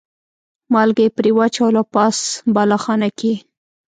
مالګه یې پرې واچوله او پاس بالاخانه کې یې.